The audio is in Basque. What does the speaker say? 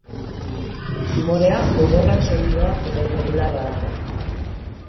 Tumorea, gogorra, solidoa eta irregularra da.